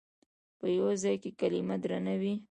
په یوه ځای کې کلمه درنه وي.